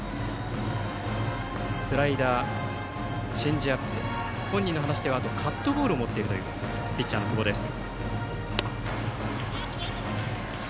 スライダー、チェンジアップ本人の話ではカットボールも持っているというピッチャーの久保です。